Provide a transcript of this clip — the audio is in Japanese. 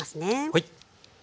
はい。